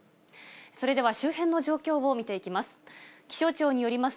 それでは、周辺の状況を見ていきます。